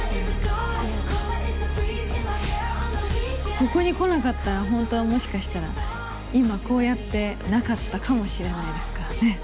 ここに来なかったら、本当、もしかしたら、今、こうやってなかったかもしれないですからね。